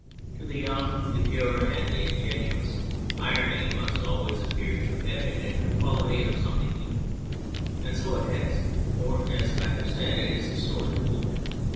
19 C2 On Anything To the young, the pure, and the ingenuous, irony must always appear to have in it a quality of some thing evil, and so it has, for, as I have said, it is a sword to wound.